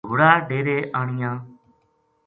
گھوڑا ڈیرے آنیا ں